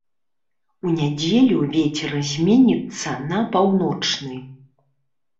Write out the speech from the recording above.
У нядзелю вецер зменіцца на паўночны.